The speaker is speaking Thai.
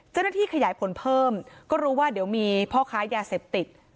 เจ้าหน้าที่ขยายผลเพิ่มก็รู้ว่าเดี๋ยวมีพ่อค้ายาเสพติด